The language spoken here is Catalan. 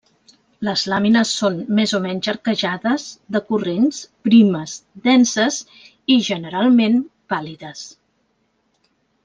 Les làmines són més o menys arquejades, decurrents, primes, denses i, generalment, pàl·lides.